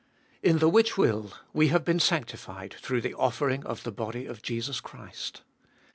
In the which will we have been sanctified through the offer ing of the body of Jesus Christ.